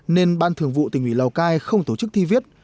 nên ban thường vụ tình nghủy lào cai không tổ chức thi viết